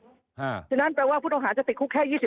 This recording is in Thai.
ครึ่งนั้นแปลว่าผู้ต่างหาจะติดคุกแค่๒๐ปี